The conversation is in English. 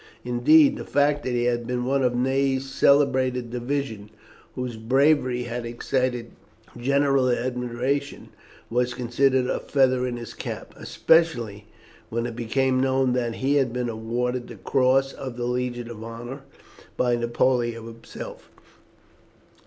Indeed, the fact that he had been one of Ney's celebrated division, whose bravery had excited general admiration, was considered a feather in his cap, especially when it became known that he had been awarded the Cross of the Legion of Honour by Napoleon himself.